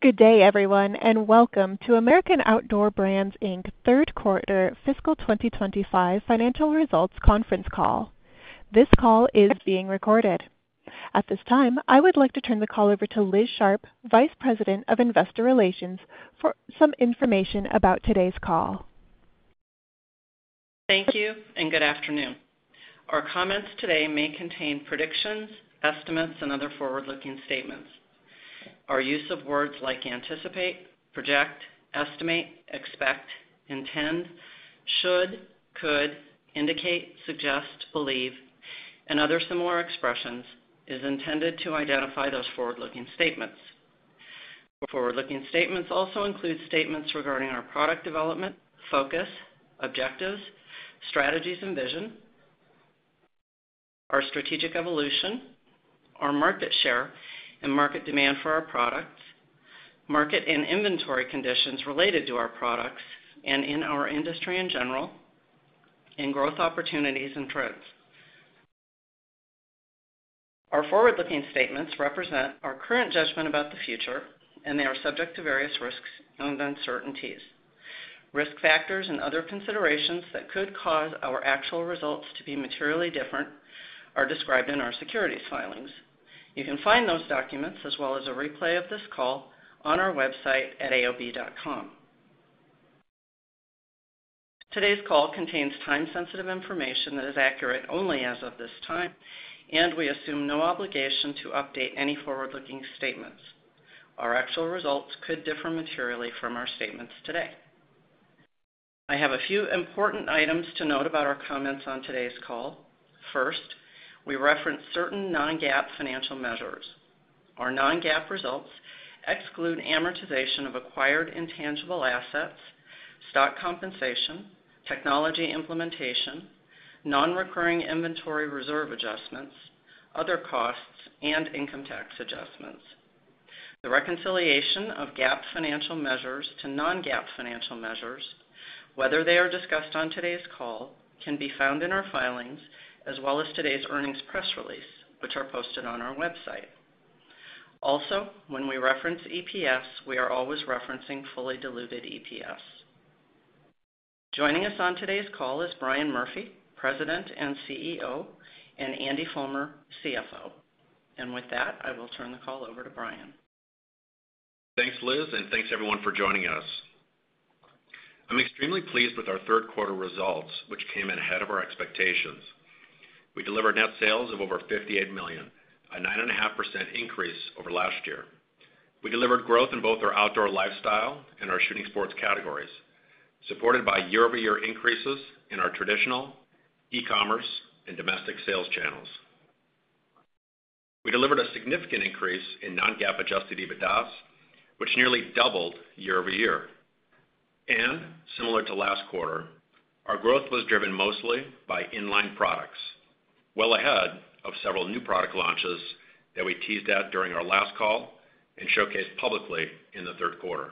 Good day, everyone, and welcome to American Outdoor Brands Third Quarter Fiscal 2025 Financial Results Conference Call. This call is being recorded. At this time, I would like to turn the call over to Liz Sharp, Vice President of Investor Relations, for some information about today's call. Thank you, and good afternoon. Our comments today may contain predictions, estimates, and other forward-looking statements. Our use of words like anticipate, project, estimate, expect, intend, should, could, indicate, suggest, believe, and other similar expressions is intended to identify those forward-looking statements. Forward-looking statements also include statements regarding our product development, focus, objectives, strategies, and vision, our strategic evolution, our market share and market demand for our products, market and inventory conditions related to our products and in our industry in general, and growth opportunities and trends. Our forward-looking statements represent our current judgment about the future, and they are subject to various risks and uncertainties. Risk factors and other considerations that could cause our actual results to be materially different are described in our securities filings. You can find those documents, as well as a replay of this call, on our website at aob.com. Today's call contains time-sensitive information that is accurate only as of this time, and we assume no obligation to update any forward-looking statements. Our actual results could differ materially from our statements today. I have a few important items to note about our comments on today's call. First, we reference certain non-GAAP financial measures. Our non-GAAP results exclude amortization of acquired intangible assets, stock compensation, technology implementation, non-recurring inventory reserve adjustments, other costs, and income tax adjustments. The reconciliation of GAAP financial measures to non-GAAP financial measures, whether they are discussed on today's call, can be found in our filings, as well as today's earnings press release, which are posted on our website. Also, when we reference EPS, we are always referencing fully diluted EPS. Joining us on today's call is Brian Murphy, President and CEO, and Andy Fulmer, CFO. With that, I will turn the call over to Brian. Thanks, Liz, and thanks, everyone, for joining us. I'm extremely pleased with our third quarter results, which came in ahead of our expectations. We delivered net sales of over $58 million, a 9.5% increase over last year. We delivered growth in both our outdoor lifestyle and our shooting sports categories, supported by year-over-year increases in our traditional, e-commerce, and domestic sales channels. We delivered a significant increase in non-GAAP adjusted EBITDA, which nearly doubled year-over-year. Similar to last quarter, our growth was driven mostly by inline products, well ahead of several new product launches that we teased at during our last call and showcased publicly in the third quarter.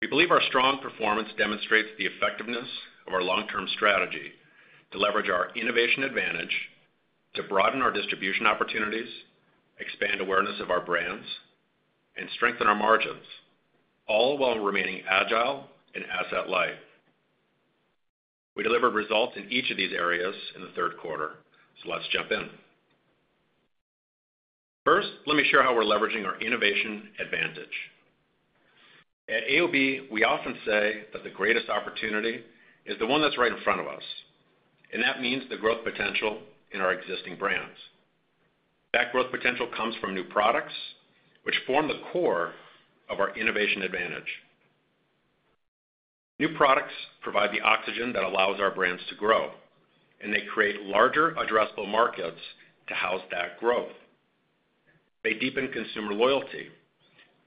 We believe our strong performance demonstrates the effectiveness of our long-term strategy to leverage our innovation advantage, to broaden our distribution opportunities, expand awareness of our brands, and strengthen our margins, all while remaining agile and asset-light. We delivered results in each of these areas in the third quarter, so let's jump in. First, let me share how we're leveraging our innovation advantage. At AOB, we often say that the greatest opportunity is the one that's right in front of us, and that means the growth potential in our existing brands. That growth potential comes from new products, which form the core of our innovation advantage. New products provide the oxygen that allows our brands to grow, and they create larger, addressable markets to house that growth. They deepen consumer loyalty,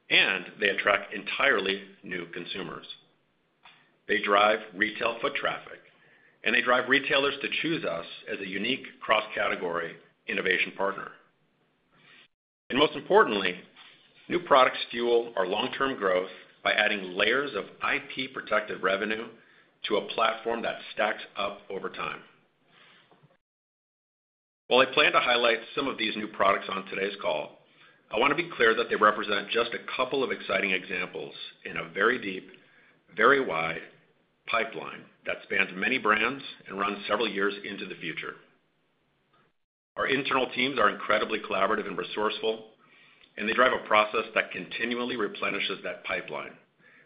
and they attract entirely new consumers. They drive retail foot traffic, and they drive retailers to choose us as a unique cross-category innovation partner. Most importantly, new products fuel our long-term growth by adding layers of IP-protected revenue to a platform that stacks up over time. While I plan to highlight some of these new products on today's call, I want to be clear that they represent just a couple of exciting examples in a very deep, very wide pipeline that spans many brands and runs several years into the future. Our internal teams are incredibly collaborative and resourceful, and they drive a process that continually replenishes that pipeline,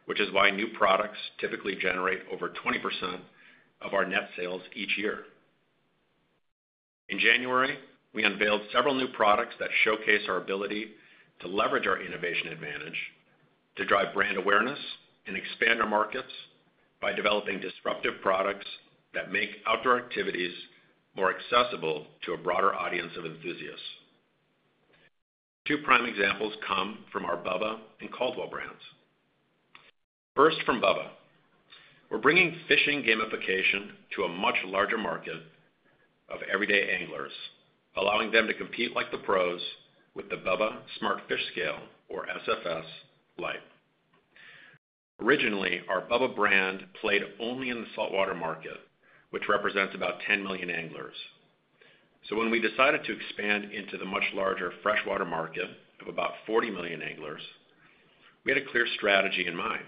which is why new products typically generate over 20% of our net sales each year. In January, we unveiled several new products that showcase our ability to leverage our innovation advantage, to drive brand awareness, and expand our markets by developing disruptive products that make outdoor activities more accessible to a broader audience of enthusiasts. Two prime examples come from our Bubba and Caldwell brands. First, from Bubba, we're bringing fishing gamification to a much larger market of everyday anglers, allowing them to compete like the pros with the Bubba Smart Fish Scale, or SFS Lite. Originally, our Bubba brand played only in the saltwater market, which represents about 10 million anglers. When we decided to expand into the much larger freshwater market of about 40 million anglers, we had a clear strategy in mind: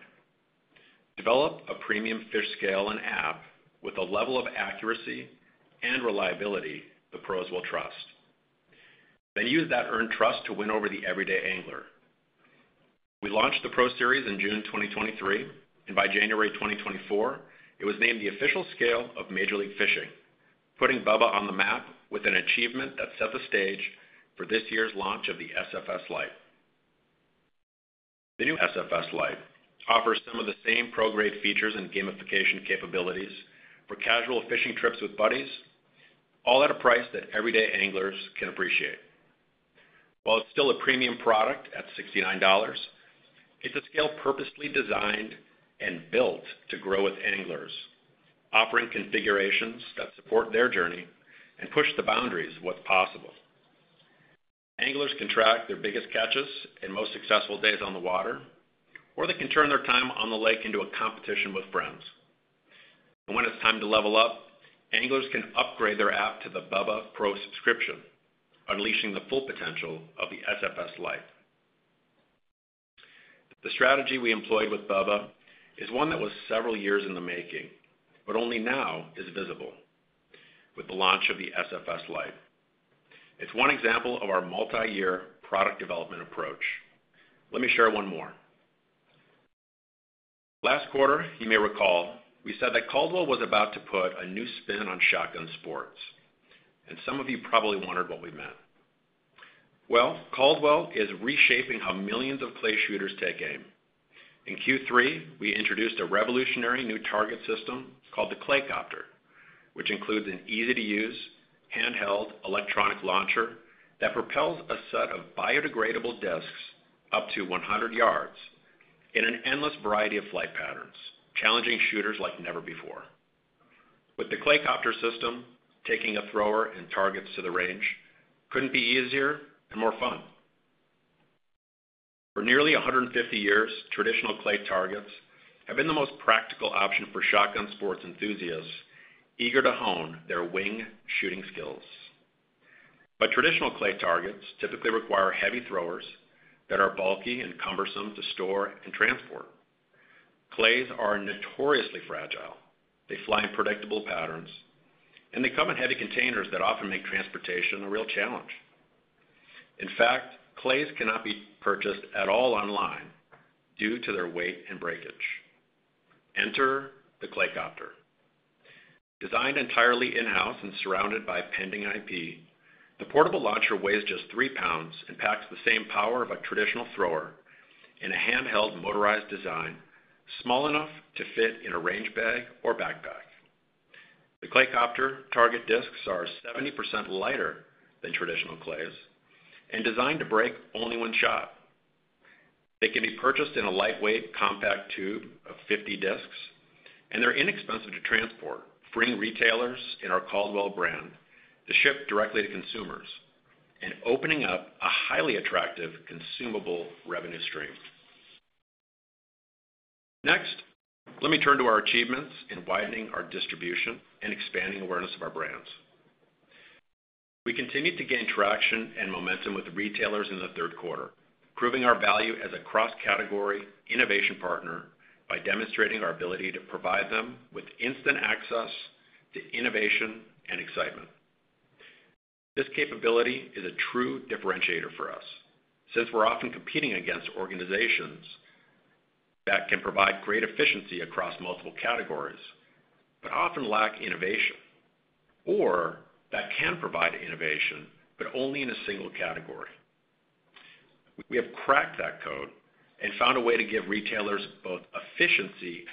develop a premium fish scale and app with a level of accuracy and reliability the pros will trust, then use that earned trust to win over the everyday angler. We launched the Pro Series in June 2023, and by January 2024, it was named the official scale of Major League Fishing, putting Bubba on the map with an achievement that set the stage for this year's launch of the SFS Lite. The new SFS Lite offers some of the same pro-grade features and gamification capabilities for casual fishing trips with buddies, all at a price that everyday anglers can appreciate. While it's still a premium product at $69, it's a scale purposely designed and built to grow with anglers, offering configurations that support their journey and push the boundaries of what's possible. Anglers can track their biggest catches and most successful days on the water, or they can turn their time on the lake into a competition with friends. When it's time to level up, anglers can upgrade their app to the Bubba Pro subscription, unleashing the full potential of the SFS Lite. The strategy we employed with Bubba is one that was several years in the making, but only now is visible with the launch of the SFS Lite. It's one example of our multi-year product development approach. Let me share one more. Last quarter, you may recall, we said that Caldwell was about to put a new spin on shotgun sports, and some of you probably wondered what we meant. Caldwell is reshaping how millions of clay shooters take aim. In Q3, we introduced a revolutionary new target system called the Clay Copter, which includes an easy-to-use, handheld electronic launcher that propels a set of biodegradable discs up to 100 yards in an endless variety of flight patterns, challenging shooters like never before. With the Clay Copter system, taking a thrower and targets to the range could not be easier and more fun. For nearly 150 years, traditional clay targets have been the most practical option for shotgun sports enthusiasts eager to hone their wing shooting skills. Traditional clay targets typically require heavy throwers that are bulky and cumbersome to store and transport. Clays are notoriously fragile. They fly in predictable patterns, and they come in heavy containers that often make transportation a real challenge. In fact, clays cannot be purchased at all online due to their weight and breakage. Enter the Clay Copter. Designed entirely in-house and surrounded by pending IP, the portable launcher weighs just 3 pounds and packs the same power of a traditional thrower in a handheld motorized design small enough to fit in a range bag or backpack. The Clay Copter target discs are 70% lighter than traditional clays and designed to break only one shot. They can be purchased in a lightweight compact tube of 50 discs, and they're inexpensive to transport, freeing retailers in our Caldwell brand to ship directly to consumers and opening up a highly attractive consumable revenue stream. Next, let me turn to our achievements in widening our distribution and expanding awareness of our brands. We continued to gain traction and momentum with retailers in the third quarter, proving our value as a cross-category innovation partner by demonstrating our ability to provide them with instant access to innovation and excitement. This capability is a true differentiator for us since we're often competing against organizations that can provide great efficiency across multiple categories but often lack innovation, or that can provide innovation but only in a single category. We have cracked that code and found a way to give retailers both efficiency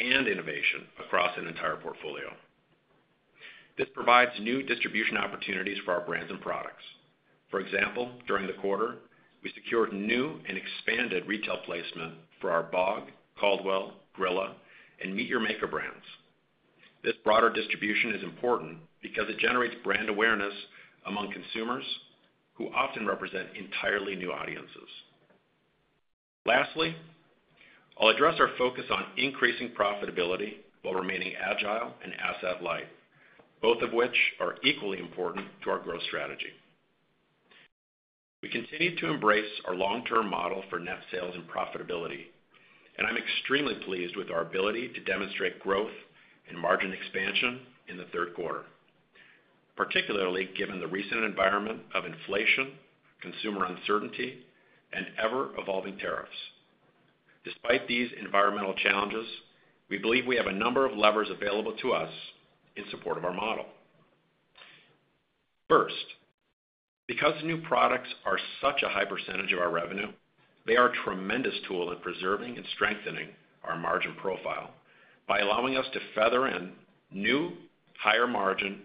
and innovation across an entire portfolio. This provides new distribution opportunities for our brands and products. For example, during the quarter, we secured new and expanded retail placement for our Bog, Caldwell, Grilla, and MEAT! Your Maker brands. This broader distribution is important because it generates brand awareness among consumers who often represent entirely new audiences. Lastly, I'll address our focus on increasing profitability while remaining agile and asset-light, both of which are equally important to our growth strategy. We continue to embrace our long-term model for net sales and profitability, and I'm extremely pleased with our ability to demonstrate growth and margin expansion in the third quarter, particularly given the recent environment of inflation, consumer uncertainty, and ever-evolving tariffs. Despite these environmental challenges, we believe we have a number of levers available to us in support of our model. First, because new products are such a high percentage of our revenue, they are a tremendous tool in preserving and strengthening our margin profile by allowing us to feather in new, higher-margin,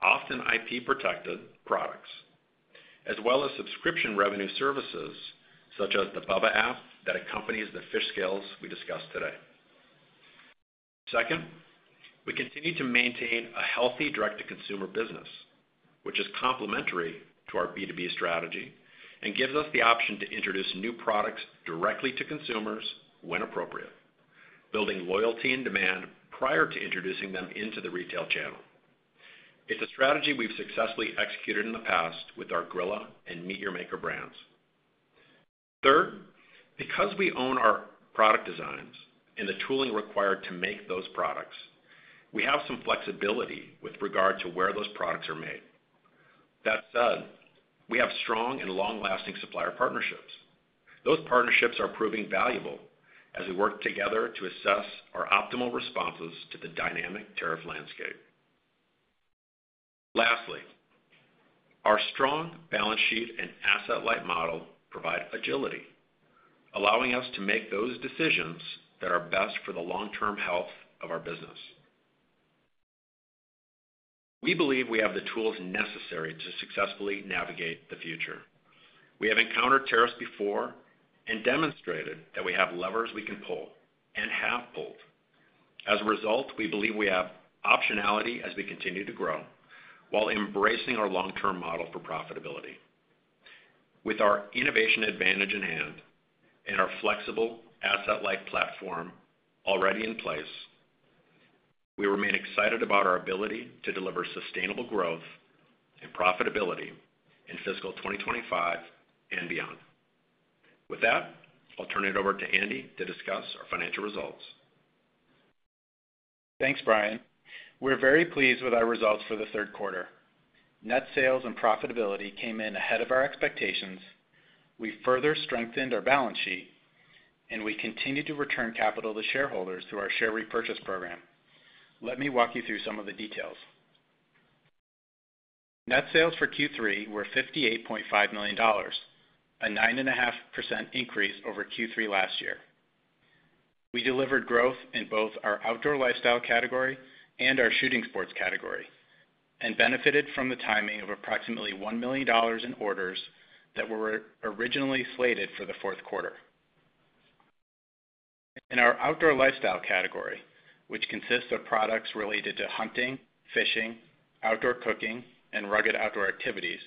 often IP-protected products, as well as subscription revenue services such as the Bubba app that accompanies the fish scales we discussed today. Second, we continue to maintain a healthy direct-to-consumer business, which is complementary to our B2B strategy and gives us the option to introduce new products directly to consumers when appropriate, building loyalty and demand prior to introducing them into the retail channel. It's a strategy we've successfully executed in the past with our Grilla and MEAT! Your Maker brands. Third, because we own our product designs and the tooling required to make those products, we have some flexibility with regard to where those products are made. That said, we have strong and long-lasting supplier partnerships. Those partnerships are proving valuable as we work together to assess our optimal responses to the dynamic tariff landscape. Lastly, our strong balance sheet and asset-light model provide agility, allowing us to make those decisions that are best for the long-term health of our business. We believe we have the tools necessary to successfully navigate the future. We have encountered tariffs before and demonstrated that we have levers we can pull and have pulled. As a result, we believe we have optionality as we continue to grow while embracing our long-term model for profitability. With our innovation advantage in hand and our flexible asset-light platform already in place, we remain excited about our ability to deliver sustainable growth and profitability in fiscal 2025 and beyond. With that, I'll turn it over to Andy to discuss our financial results. Thanks, Brian. We're very pleased with our results for the third quarter. Net sales and profitability came in ahead of our expectations. We further strengthened our balance sheet, and we continue to return capital to shareholders through our share repurchase program. Let me walk you through some of the details. Net sales for Q3 were $58.5 million, a 9.5% increase over Q3 last year. We delivered growth in both our outdoor lifestyle category and our shooting sports category and benefited from the timing of approximately $1 million in orders that were originally slated for the fourth quarter. In our outdoor lifestyle category, which consists of products related to hunting, fishing, outdoor cooking, and rugged outdoor activities,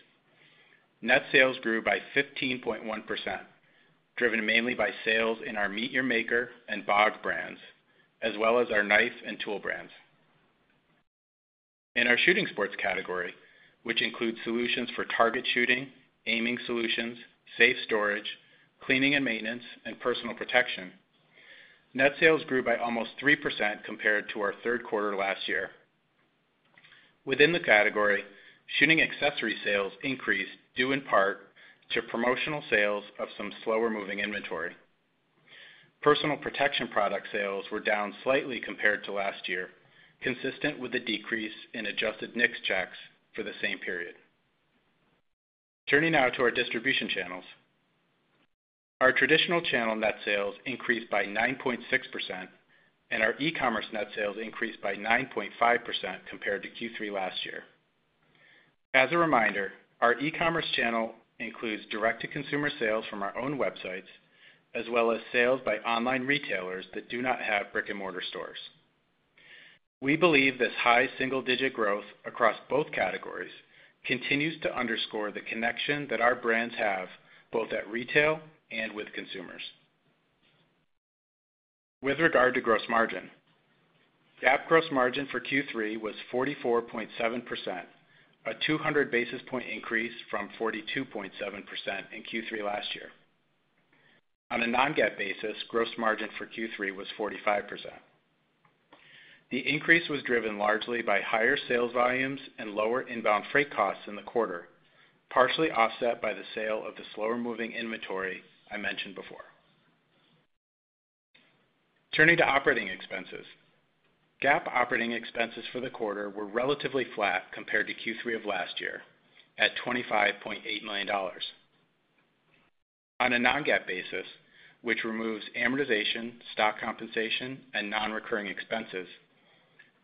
net sales grew by 15.1%, driven mainly by sales in our MEAT! Your Maker and Bog brands, as well as our Knife and Tool brands. In our shooting sports category, which includes solutions for target shooting, aiming solutions, safe storage, cleaning and maintenance, and personal protection, net sales grew by almost 3% compared to our third quarter last year. Within the category, shooting accessory sales increased due in part to promotional sales of some slower-moving inventory. Personal protection product sales were down slightly compared to last year, consistent with the decrease in adjusted NICS checks for the same period. Turning now to our distribution channels, our traditional channel net sales increased by 9.6%, and our e-commerce net sales increased by 9.5% compared to Q3 last year. As a reminder, our e-commerce channel includes direct-to-consumer sales from our own websites as well as sales by online retailers that do not have brick-and-mortar stores. We believe this high single-digit growth across both categories continues to underscore the connection that our brands have both at retail and with consumers. With regard to gross margin, GAAP gross margin for Q3 was 44.7%, a 200 basis point increase from 42.7% in Q3 last year. On a non-GAAP basis, gross margin for Q3 was 45%. The increase was driven largely by higher sales volumes and lower inbound freight costs in the quarter, partially offset by the sale of the slower-moving inventory I mentioned before. Turning to operating expenses, GAAP operating expenses for the quarter were relatively flat compared to Q3 of last year at $25.8 million. On a non-GAAP basis, which removes amortization, stock compensation, and non-recurring expenses,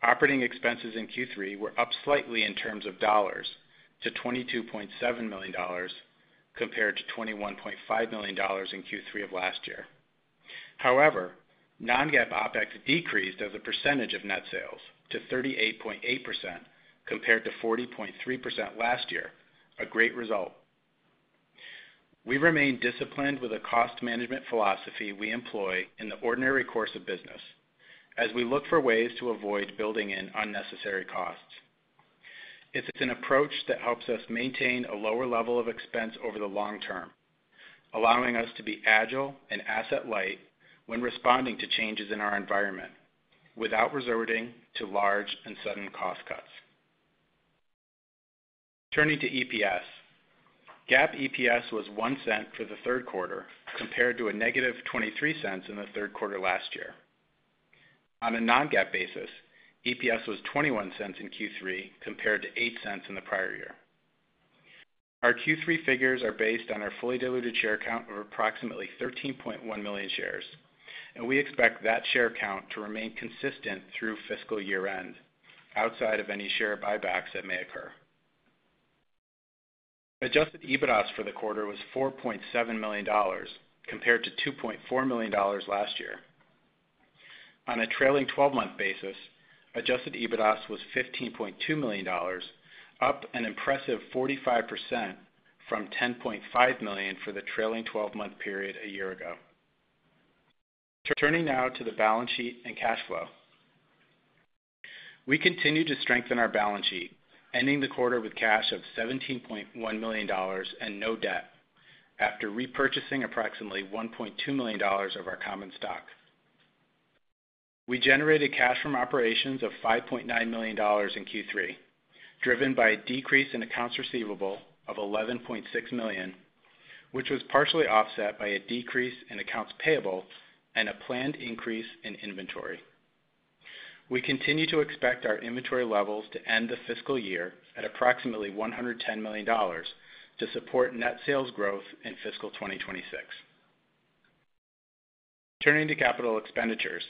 operating expenses in Q3 were up slightly in terms of dollars to $22.7 million compared to $21.5 million in Q3 of last year. However, non-GAAP OPEX decreased as a percentage of net sales to 38.8% compared to 40.3% last year, a great result. We remain disciplined with the cost management philosophy we employ in the ordinary course of business as we look for ways to avoid building in unnecessary costs. It's an approach that helps us maintain a lower level of expense over the long term, allowing us to be agile and asset-light when responding to changes in our environment without resorting to large and sudden cost cuts. Turning to EPS, GAAP EPS was $0.01 for the third quarter compared to a negative $0.23 in the third quarter last year. On a non-GAAP basis, EPS was $0.21 in Q3 compared to $0.08 in the prior year. Our Q3 figures are based on our fully diluted share count of approximately 13.1 million shares, and we expect that share count to remain consistent through fiscal year-end outside of any share buybacks that may occur. Adjusted EBITDA for the quarter was $4.7 million compared to $2.4 million last year. On a trailing 12-month basis, adjusted EBITDA was $15.2 million, up an impressive 45% from $10.5 million for the trailing 12-month period a year ago. Turning now to the balance sheet and cash flow. We continue to strengthen our balance sheet, ending the quarter with cash of $17.1 million and no debt after repurchasing approximately $1.2 million of our common stock. We generated cash from operations of $5.9 million in Q3, driven by a decrease in accounts receivable of $11.6 million, which was partially offset by a decrease in accounts payable and a planned increase in inventory. We continue to expect our inventory levels to end the fiscal year at approximately $110 million to support net sales growth in fiscal 2026. Turning to capital expenditures,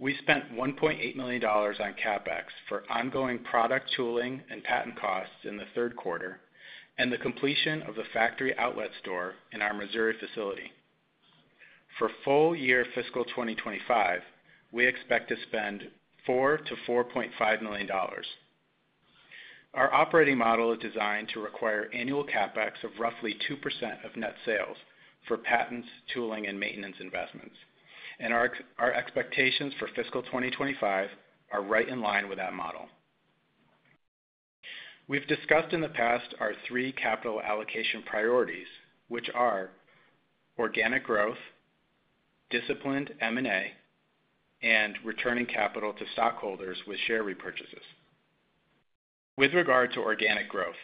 we spent $1.8 million on CapEx for ongoing product tooling and patent costs in the third quarter and the completion of the factory outlet store in our Missouri facility. For full year fiscal 2025, we expect to spend $4-$4.5 million. Our operating model is designed to require annual CapEx of roughly 2% of net sales for patents, tooling, and maintenance investments, and our expectations for fiscal 2025 are right in line with that model. We've discussed in the past our three capital allocation priorities, which are organic growth, disciplined M&A, and returning capital to stockholders with share repurchases. With regard to organic growth,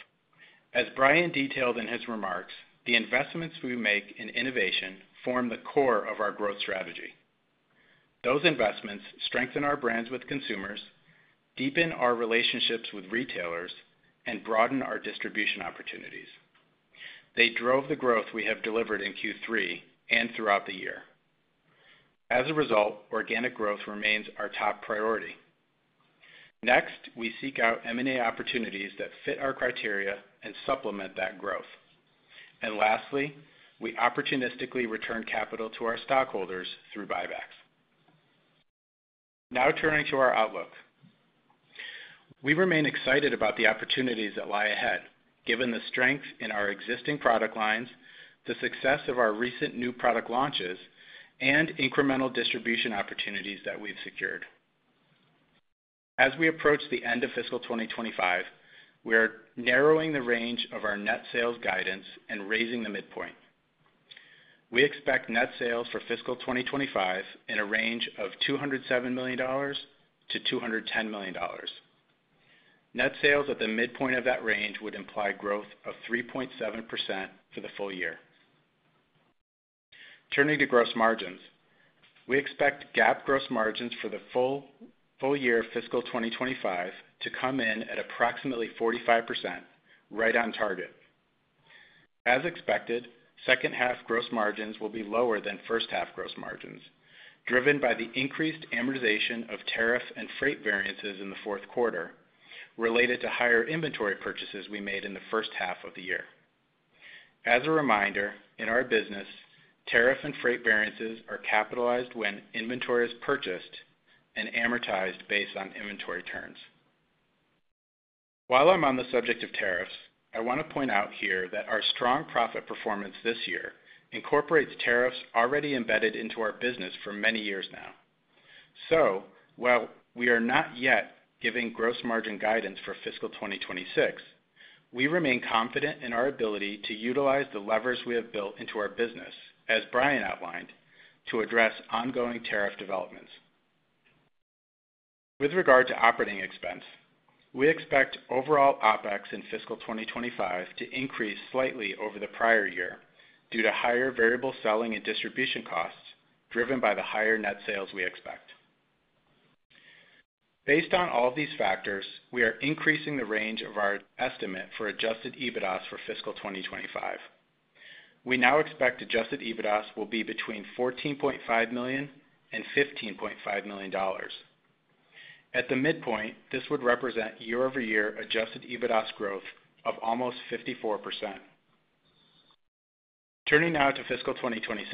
as Brian detailed in his remarks, the investments we make in innovation form the core of our growth strategy. Those investments strengthen our brands with consumers, deepen our relationships with retailers, and broaden our distribution opportunities. They drove the growth we have delivered in Q3 and throughout the year. As a result, organic growth remains our top priority. Next, we seek out M&A opportunities that fit our criteria and supplement that growth. Lastly, we opportunistically return capital to our stockholders through buybacks. Now turning to our outlook, we remain excited about the opportunities that lie ahead, given the strength in our existing product lines, the success of our recent new product launches, and incremental distribution opportunities that we've secured. As we approach the end of fiscal 2025, we are narrowing the range of our net sales guidance and raising the midpoint. We expect net sales for fiscal 2025 in a range of $207 million-$210 million. Net sales at the midpoint of that range would imply growth of 3.7% for the full year. Turning to gross margins, we expect GAAP gross margins for the full year of fiscal 2025 to come in at approximately 45%, right on target. As expected, second-half gross margins will be lower than first-half gross margins, driven by the increased amortization of tariff and freight variances in the fourth quarter related to higher inventory purchases we made in the first half of the year. As a reminder, in our business, tariff and freight variances are capitalized when inventory is purchased and amortized based on inventory turns. While I'm on the subject of tariffs, I want to point out here that our strong profit performance this year incorporates tariffs already embedded into our business for many years now. While we are not yet giving gross margin guidance for fiscal 2026, we remain confident in our ability to utilize the levers we have built into our business, as Brian outlined, to address ongoing tariff developments. With regard to operating expense, we expect overall OPEX in fiscal 2025 to increase slightly over the prior year due to higher variable selling and distribution costs driven by the higher net sales we expect. Based on all of these factors, we are increasing the range of our estimate for adjusted EBITDA for fiscal 2025. We now expect adjusted EBITDA will be between $14.5 million and $15.5 million. At the midpoint, this would represent year-over-year adjusted EBITDA growth of almost 54%. Turning now to fiscal 2026.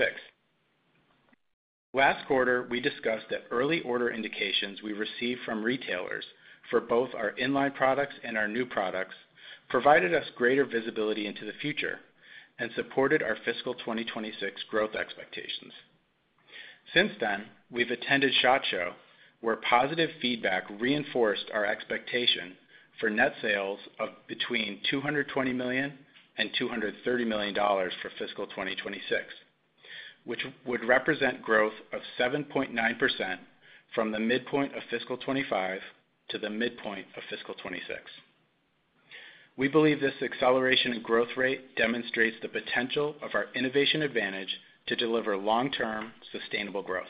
Last quarter, we discussed that early order indications we received from retailers for both our inline products and our new products provided us greater visibility into the future and supported our fiscal 2026 growth expectations. Since then, we've attended SHOT Show, where positive feedback reinforced our expectation for net sales of between $220 million and $230 million for fiscal 2026, which would represent growth of 7.9% from the midpoint of fiscal 2025 to the midpoint of fiscal 2026. We believe this acceleration in growth rate demonstrates the potential of our innovation advantage to deliver long-term sustainable growth.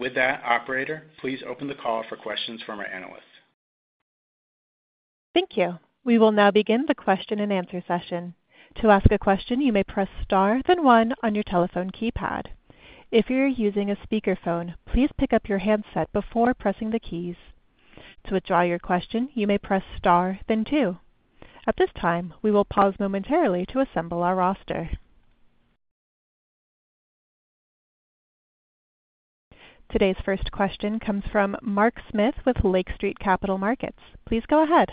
With that, operator, please open the call for questions from our analysts. Thank you. We will now begin the question and answer session. To ask a question, you may press star then one on your telephone keypad. If you're using a speakerphone, please pick up your handset before pressing the keys. To withdraw your question, you may press star then two. At this time, we will pause momentarily to assemble our roster. Today's first question comes from Mark Smith with Lake Street Capital Markets. Please go ahead.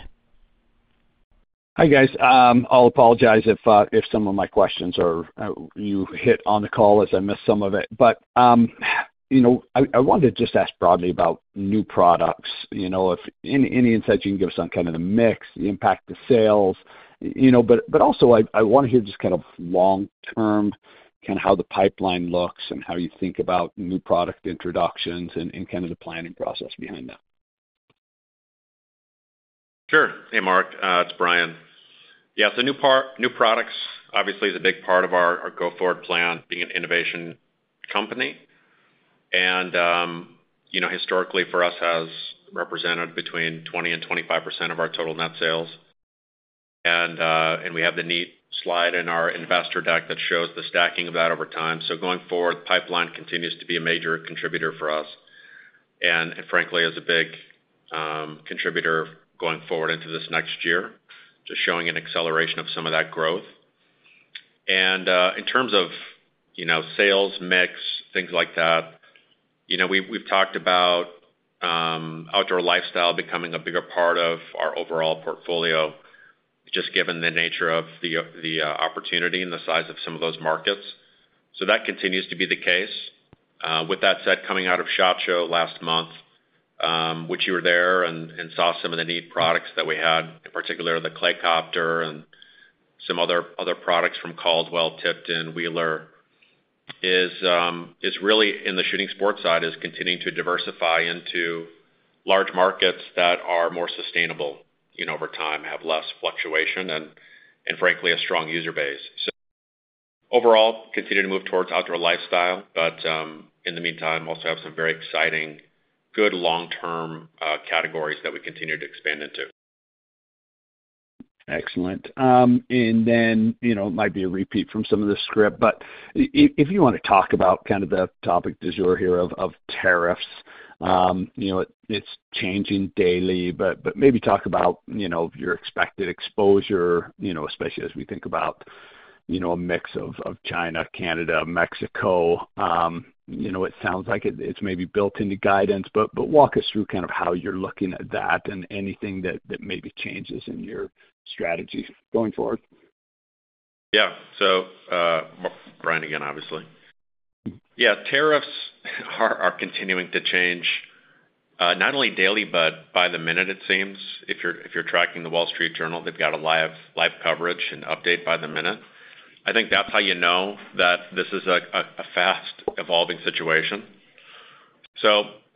Hi guys. I'll apologize if some of my questions are you hit on the call as I missed some of it. I wanted to just ask broadly about new products, if any insight you can give us on kind of the mix, the impact of sales. I want to hear just kind of long-term kind of how the pipeline looks and how you think about new product introductions and kind of the planning process behind that. Sure. Hey, Mark. It's Brian. Yeah. New products obviously is a big part of our go-forward plan being an innovation company. Historically, for us, has represented between 20% and 25% of our total net sales. We have the neat slide in our investor deck that shows the stacking of that over time. Going forward, the pipeline continues to be a major contributor for us and, frankly, is a big contributor going forward into this next year, just showing an acceleration of some of that growth. In terms of sales mix, things like that, we've talked about outdoor lifestyle becoming a bigger part of our overall portfolio, just given the nature of the opportunity and the size of some of those markets. That continues to be the case. With that said, coming out of SHOT Show last month, which you were there and saw some of the neat products that we had, in particular, the Clay Copter and some other products from Caldwell, Tipton, Wheeler, is really in the shooting sports side, is continuing to diversify into large markets that are more sustainable over time, have less fluctuation, and frankly, a strong user base. Overall, continue to move towards outdoor lifestyle, but in the meantime, also have some very exciting, good long-term categories that we continue to expand into. Excellent. It might be a repeat from some of the script, but if you want to talk about kind of the topic du jour here of tariffs, it's changing daily, but maybe talk about your expected exposure, especially as we think about a mix of China, Canada, Mexico. It sounds like it's maybe built into guidance, but walk us through kind of how you're looking at that and anything that maybe changes in your strategy going forward. Yeah. So Brian, again, obviously. Yeah. Tariffs are continuing to change not only daily, but by the minute, it seems. If you're tracking the Wall Street Journal, they've got a live coverage and update by the minute. I think that's how you know that this is a fast-evolving situation.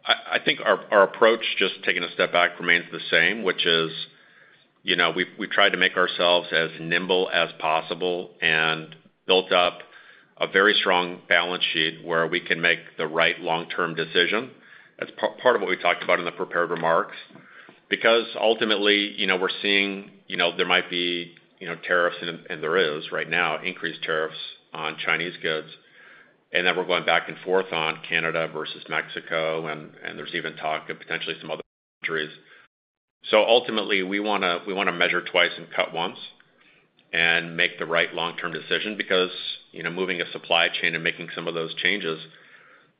I think our approach, just taking a step back, remains the same, which is we've tried to make ourselves as nimble as possible and built up a very strong balance sheet where we can make the right long-term decision. That's part of what we talked about in the prepared remarks. Because ultimately, we're seeing there might be tariffs, and there is right now, increased tariffs on Chinese goods, and then we're going back and forth on Canada versus Mexico, and there's even talk of potentially some other countries. Ultimately, we want to measure twice and cut once and make the right long-term decision because moving a supply chain and making some of those changes,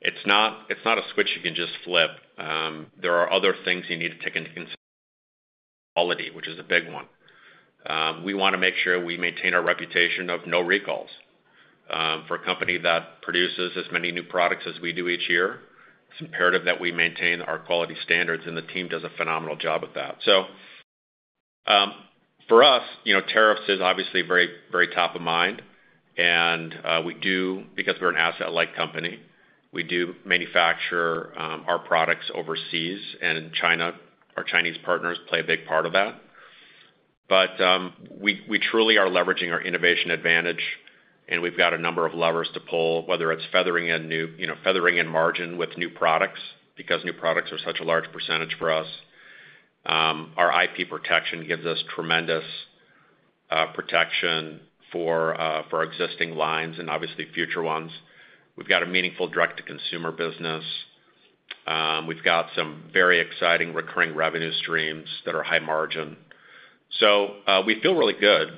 it's not a switch you can just flip. There are other things you need to take into consideration, quality, which is a big one. We want to make sure we maintain our reputation of no recalls for a company that produces as many new products as we do each year. It's imperative that we maintain our quality standards, and the team does a phenomenal job with that. For us, tariffs is obviously very top of mind. Because we're an asset-light company, we do manufacture our products overseas, and China, our Chinese partners, play a big part of that. We truly are leveraging our innovation advantage, and we've got a number of levers to pull, whether it's feathering in margin with new products because new products are such a large percentage for us. Our IP protection gives us tremendous protection for our existing lines and obviously future ones. We've got a meaningful direct-to-consumer business. We've got some very exciting recurring revenue streams that are high margin. We feel really good.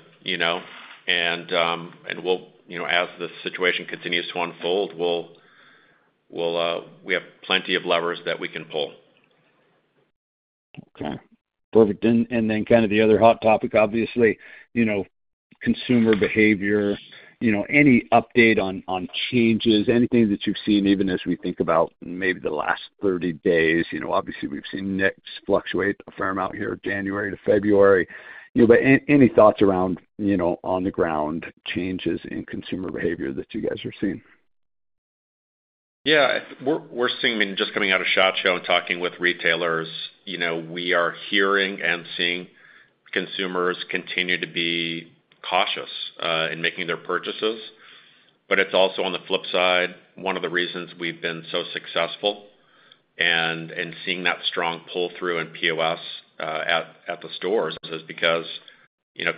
As the situation continues to unfold, we have plenty of levers that we can pull. Okay. Perfect. The other hot topic, obviously, consumer behavior. Any update on changes, anything that you've seen, even as we think about maybe the last 30 days? Obviously, we've seen NICS fluctuate a fair amount here from January to February. Any thoughts around on-the-ground changes in consumer behavior that you guys are seeing? Yeah. We're seeing just coming out of SHOT Show and talking with retailers, we are hearing and seeing consumers continue to be cautious in making their purchases. It's also, on the flip side, one of the reasons we've been so successful and seeing that strong pull-through in POS at the stores is because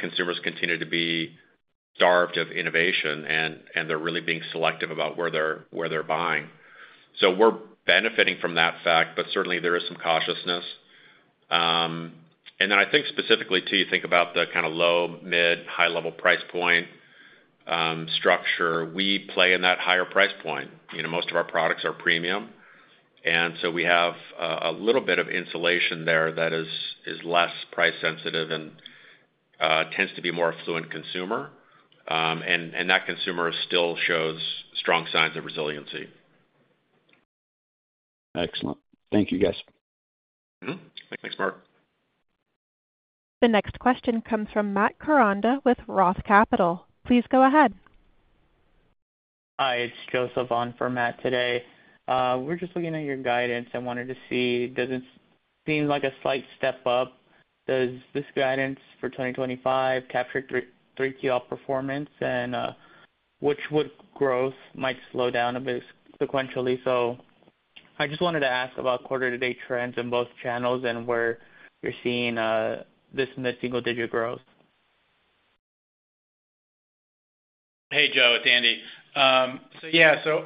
consumers continue to be starved of innovation, and they're really being selective about where they're buying. We are benefiting from that fact, but certainly, there is some cautiousness. I think specifically too, you think about the kind of low, mid, high-level price point structure. We play in that higher price point. Most of our products are premium. We have a little bit of insulation there that is less price-sensitive and tends to be more affluent consumer. That consumer still shows strong signs of resiliency. Excellent. Thank you, guys. Thanks, Mark. The next question comes from Matt Koranda with Roth Capital. Please go ahead. Hi. It's Joseph on for Matt today. We're just looking at your guidance and wanted to see, does it seem like a slight step up? Does this guidance for 2025 capture Q3 performance and which growth might slow down a bit sequentially? I just wanted to ask about quarter-to-date trends in both channels and where you're seeing this mid-single-digit growth. Hey, Joe. It's Andy.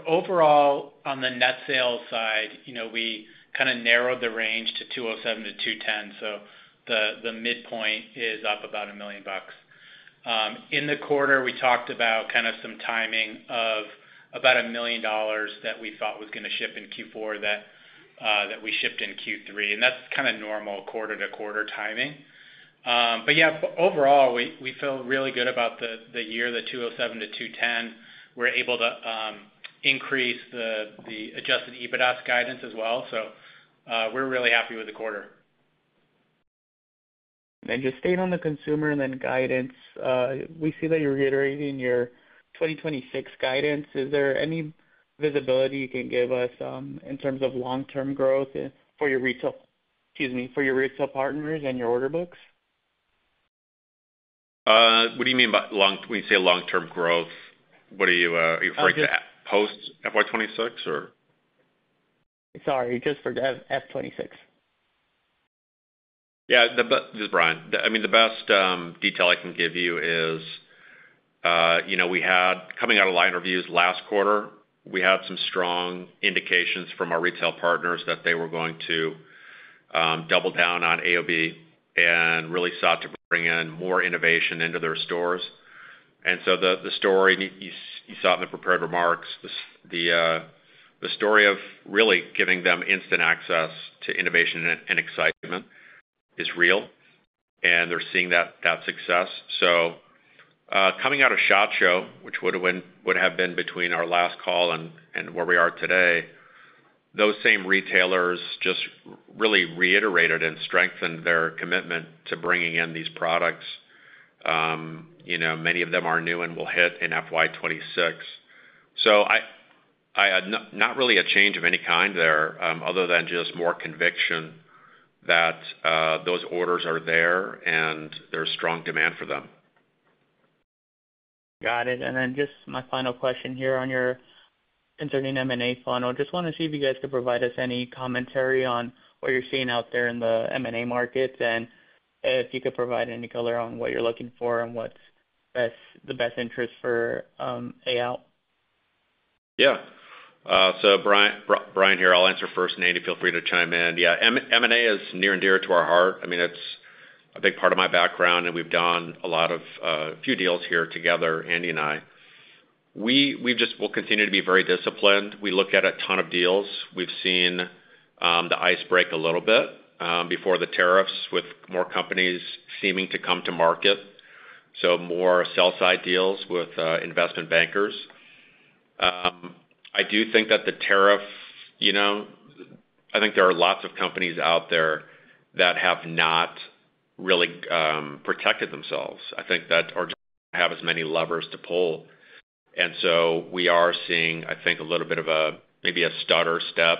Overall, on the net sales side, we kind of narrowed the range to $207 million-$210 million. The midpoint is up about a million bucks. In the quarter, we talked about kind of some timing of about $1 million that we thought was going to ship in Q4 that we shipped in Q3. That's kind of normal quarter-to-quarter timing. Overall, we feel really good about the year, the $207-$210. We're able to increase the adjusted EBITDA guidance as well. We're really happy with the quarter. Just staying on the consumer and then guidance, we see that you're reiterating your 2026 guidance. Is there any visibility you can give us in terms of long-term growth for your retail—excuse me—for your retail partners and your order books? What do you mean by when you say long-term growth? Are you referring to post-FY2026 or? Sorry. Just for F2026. Yeah. This is Brian. I mean, the best detail I can give you is we had coming out of line reviews last quarter, we had some strong indications from our retail partners that they were going to double down on AOB and really sought to bring in more innovation into their stores. The story, you saw in the prepared remarks, the story of really giving them instant access to innovation and excitement is real, and they're seeing that success. Coming out of SHOT Show, which would have been between our last call and where we are today, those same retailers just really reiterated and strengthened their commitment to bringing in these products. Many of them are new and will hit in FY2026. Not really a change of any kind there, other than just more conviction that those orders are there and there's strong demand for them. Got it. Just my final question here on your concerning M&A funnel. I just want to see if you guys could provide us any commentary on what you're seeing out there in the M&A markets and if you could provide any color on what you're looking for and what's the best interest for AL. Yeah. Brian here. I'll answer first, Andy. Feel free to chime in. Yeah. M&A is near and dear to our heart. I mean, it's a big part of my background, and we've done a few deals here together, Andy and I. We'll continue to be very disciplined. We look at a ton of deals. We've seen the ice break a little bit before the tariffs with more companies seeming to come to market. More sell-side deals with investment bankers. I do think that the tariff—I think there are lots of companies out there that have not really protected themselves. I think that or just do not have as many levers to pull. We are seeing, I think, a little bit of maybe a stutter step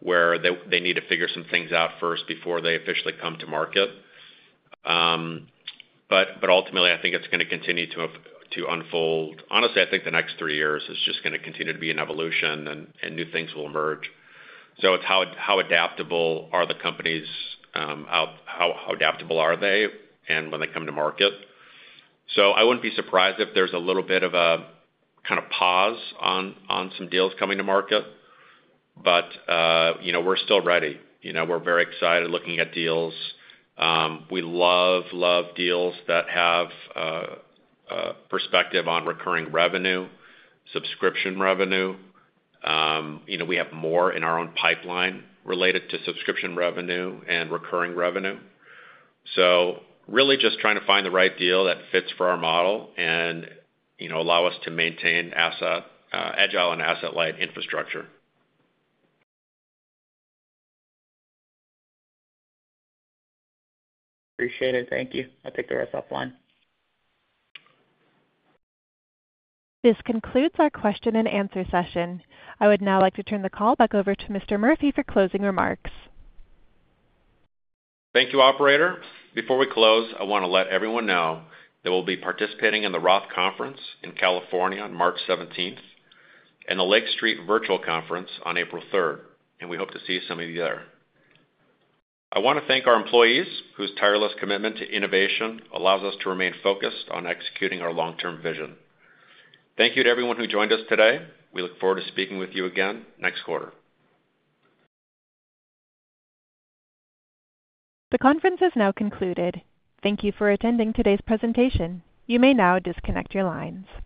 where they need to figure some things out first before they officially come to market. Honestly, I think the next three years is just going to continue to be an evolution and new things will emerge. It is how adaptable are the companies, how adaptable are they when they come to market. I would not be surprised if there is a little bit of a kind of pause on some deals coming to market. We are still ready. We are very excited looking at deals. We love, love deals that have perspective on recurring revenue, subscription revenue. We have more in our own pipeline related to subscription revenue and recurring revenue. Really just trying to find the right deal that fits for our model and allow us to maintain agile and asset-light infrastructure. Appreciate it. Thank you. I'll take the rest offline. This concludes our question and answer session. I would now like to turn the call back over to Mr. Murphy for closing remarks. Thank you, operator. Before we close, I want to let everyone know that we'll be participating in the Roth Conference in California on March 17th and the Lake Street Virtual Conference on April 3rd. We hope to see some of you there. I want to thank our employees whose tireless commitment to innovation allows us to remain focused on executing our long-term vision. Thank you to everyone who joined us today. We look forward to speaking with you again next quarter. The conference has now concluded. Thank you for attending today's presentation. You may now disconnect your lines.